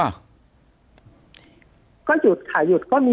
ปากกับภาคภูมิ